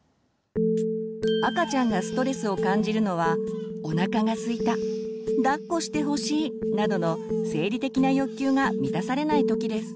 赤ちゃんがストレスを感じるのはおなかがすいただっこしてほしいなどの生理的な欲求が満たされないときです。